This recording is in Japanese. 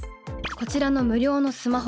こちらの無料のスマホアプリ。